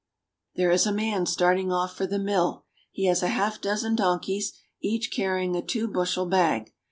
There is a man starting off for the mill ; he has a half RURAL SPAIN. 433 dozen donkeys, each carrying a two bushel bag.